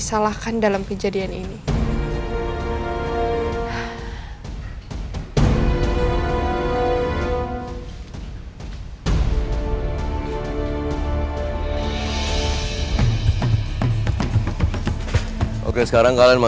sampai jumpa di video selanjutnya